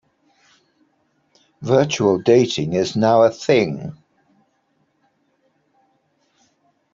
Virtual dating is now a thing.